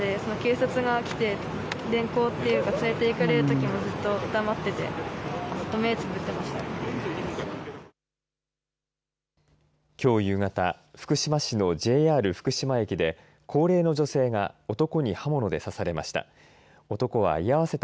きょう夕方、福島市のＪＲ福島駅で、高齢の女性が男に刃物で刺されました。